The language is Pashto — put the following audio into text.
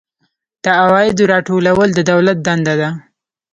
د عوایدو راټولول د دولت دنده ده